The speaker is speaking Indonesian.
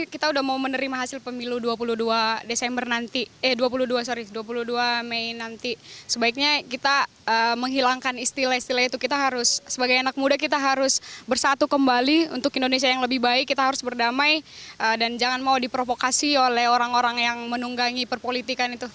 kita udah mau menerima hasil pemilu dua puluh dua desember nanti eh dua puluh dua mei nanti sebaiknya kita menghilangkan istilah istilah itu kita harus sebagai anak muda kita harus bersatu kembali untuk indonesia yang lebih baik kita harus berdamai dan jangan mau diprovokasi oleh orang orang yang menunggangi perpolitikan itu